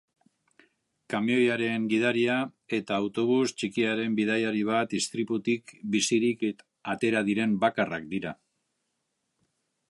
Kamioiaren gidaria eta autobus txikiaren bidaiari bat istriputik bizirik atera diren bakarrak dira.